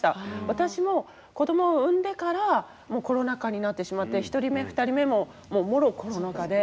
私も子どもを産んでからコロナ禍になってしまって１人目２人目ももうもろコロナ禍で。